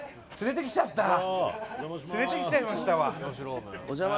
連れてきちゃいましたわ。